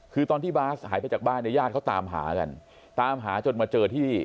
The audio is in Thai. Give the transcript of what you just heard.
คือตอนที่บาสหายไปจากบ้านเนี่ยญาติเขาตามหากันตามหาจนมาเจอที่